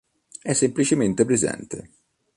È semplicemente presente.